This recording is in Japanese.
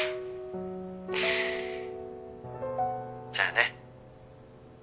じゃあね。